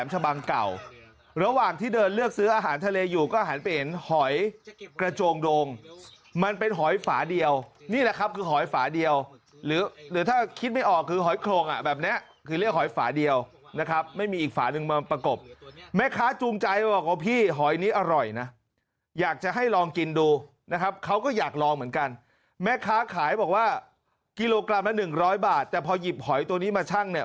เห็นหอยกระโจงโดงมันเป็นหอยฝาเดียวนี่แหละครับคือหอยฝาเดียวหรือหรือถ้าคิดไม่ออกคือหอยโครงอ่ะแบบนี้คือเรียกหอยฝาเดียวนะครับไม่มีอีกฝานึงมาประกบแม่ค้าจูงใจว่าพี่หอยนี้อร่อยนะอยากจะให้ลองกินดูนะครับเขาก็อยากลองเหมือนกันแม่ค้าขายบอกว่ากิโลกรัม๑๐๐บาทแต่พอหยิบหอยตัวนี้มาชั่งเน